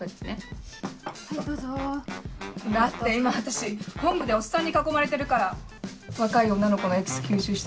だって今私本部でおっさんに囲まれてるから若い女の子のエキス吸収したくて。